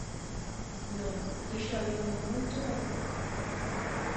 -Non, dixo abrindo moito a boca.